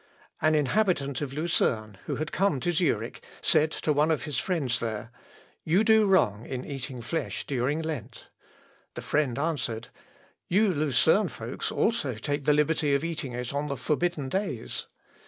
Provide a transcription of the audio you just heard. An inhabitant of Lucerne, who had come to Zurich, said to one of his friends there, "You do wrong in eating flesh during Lent." The friend answered, "You Lucerne folks also take the liberty of eating it on the forbidden days."